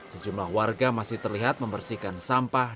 sejumlah warga masih terlihat membersihkan sampah